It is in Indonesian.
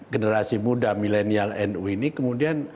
generasi muda milenial nu ini kemudian